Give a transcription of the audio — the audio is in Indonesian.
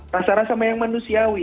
rasa rasa yang manusiawi